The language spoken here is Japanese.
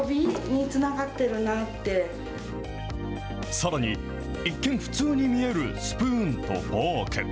さらに、一見普通に見えるスプーンとフォーク。